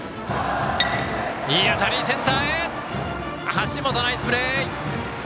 橋本、ナイスプレー！